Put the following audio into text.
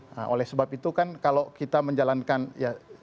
nah oleh sebab itu kan kalau kita menjalankan ya